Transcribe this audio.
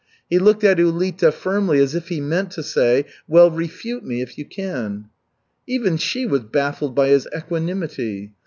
He looked at Ulita firmly as if he meant to say, "Well refute me, if you can." Even she was baffled by his equanimity.